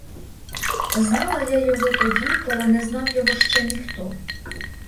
Знала я його тоді, коли не знав його ще ніхто.